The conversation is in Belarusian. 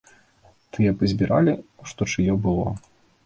Тыя пазбіралі, што чыё было.